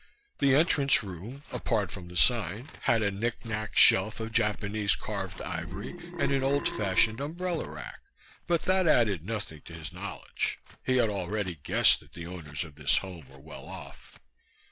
The entrance room, apart from the sign, had a knickknack shelf of Japanese carved ivory and an old fashioned umbrella rack, but that added nothing to his knowledge. He had already guessed that the owners of this home were well off.